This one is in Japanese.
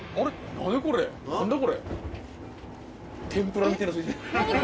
何だこれ。